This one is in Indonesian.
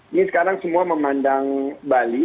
ini sekarang semua memandang bali